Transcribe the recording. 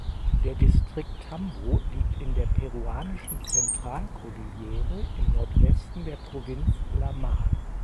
Der Distrikt Tambo liegt in der peruanischen Zentralkordillere im Nordwesten der Provinz La Mar.